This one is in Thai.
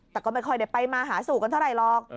แต่ก็ไม่ค่อยได้ไปมาหาสู่กันเท่าไหร่หรอก